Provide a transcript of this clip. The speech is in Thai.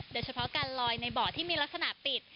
โดยเฉพาะการลอยในบ่อที่มีลักษณะติด